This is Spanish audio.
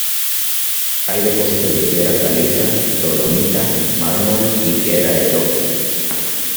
Hay depósitos de piedra caliza, dolomita, mármol y piedra de toque.